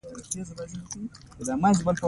• د برېښنا لګښت باید مدیریت شي.